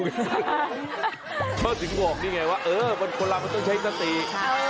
เพราะถึงบอกนี่ไงว่าเออคนล้ำมันต้องใช้นักศึกษา